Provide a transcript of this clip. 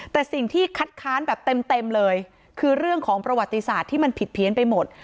แต่สิ่งที่คัดค้านแบบเต็มเลยคือเรื่องของประวัติศาสตร์ที่มันผิดเพี้ยนไปหมด